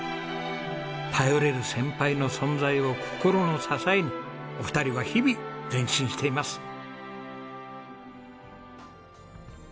頼れる先輩の存在を心の支えにお二人は日々前進しています。